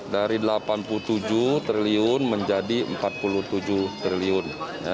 dari rp delapan puluh tujuh triliun menjadi rp empat puluh tujuh triliun